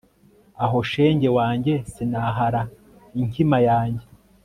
aho shenge wanjye sinahara inkima yanjye